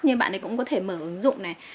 nhưng bạn ấy cũng có thể mở ứng dụng này